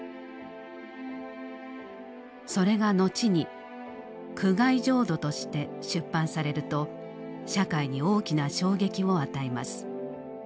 それが後に「苦海浄土」として出版されると社会に大きな衝撃を与えます。